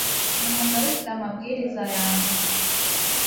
nimugarukire amabwiriza yanjye